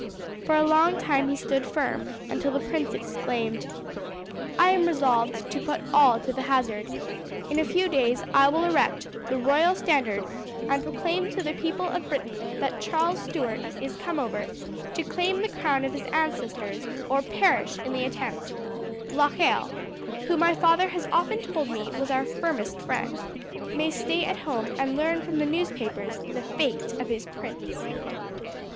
For a long time he stood firm, until the prince exclaimed: "I am resolved to put all to the hazard. In a few days I will erect the royal standard and proclaim to the people of Britain that Charles Stuart is come over to claim the crown of his ancestors or perish in the attempt. Locheil, who my father has often told me was our firmest friend, may stay at home and learn from the newspapers the fate of his prince."